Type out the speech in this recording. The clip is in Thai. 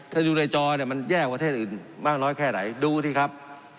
ถ้าดูในจอเนี่ยมันแย่ประเทศอื่นมากน้อยแค่ไหนดูสิครับ